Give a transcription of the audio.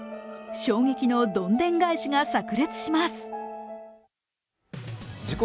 衝撃のどんでん返しがさく裂します。